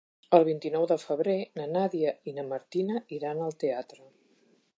El vint-i-nou de febrer na Nàdia i na Martina iran al teatre.